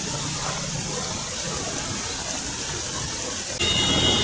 kota yang terkenal dengan